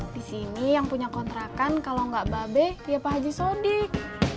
di sini yang punya kontrakan kalau nggak babe ya pak haji sodik